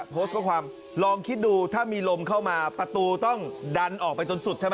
โพสต์ข้อความลองคิดดูถ้ามีลมเข้ามาประตูต้องดันออกไปจนสุดใช่ไหม